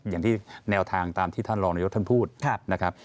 อย่างที่แนวทางตามที่ท่านรองนายกท่านพูดนะครับ